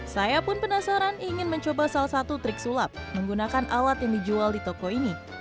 saya pun penasaran ingin mencoba salah satu trik sulap menggunakan alat yang dijual di toko ini